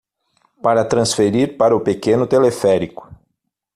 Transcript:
Para transferir para o pequeno teleférico